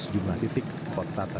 mengenai yang terjadi